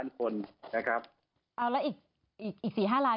ลงช้ำนะครับ